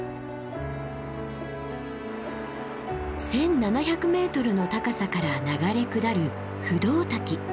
１，７００ｍの高さから流れ下る不動滝。